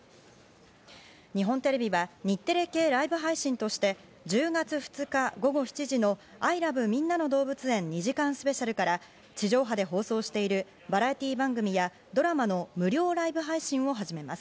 日本テレビは日テレ系ライブ配信として１０月２日午後７時の『ＩＬＯＶＥみんなのどうぶつ園２時間スペシャル』から地上波で放送しているバラエティー番組やドラマの無料ライブ配信を始めます。